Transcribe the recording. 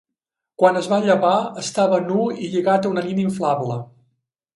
Quan es va llevar, estava nu i lligat a una nina inflable.